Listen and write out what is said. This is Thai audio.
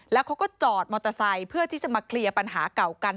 แล้วเขาก็จอดมอเตอร์ไซค์เพื่อที่จะมาเคลียร์ปัญหาเก่ากัน